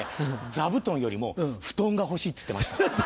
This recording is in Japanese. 座布団よりも布団が欲しいって言ってました。